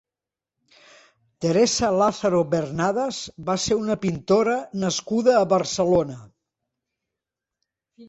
Teresa Lázaro Bernadas va ser una pintora nascuda a Barcelona.